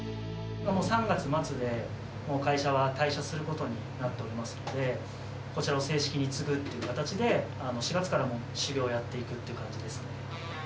３月末で会社は退社することになってますので、こちらを正式に継ぐっていう形で、４月からもう修業をやっていくっていう感じですね。